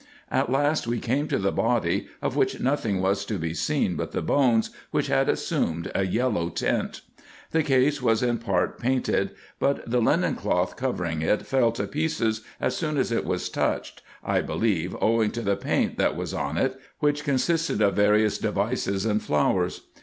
At last we came to the body, of which nothing was to be seen but the bones, which had assumed a yellow tint. The case was in part painted ; but the linen cloth covering it fell to pieces as soon as it was touched, I believe owing to the paint that was on it, which con sisted of various devices and flowers.